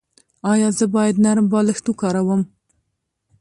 ایا زه باید نرم بالښت وکاروم؟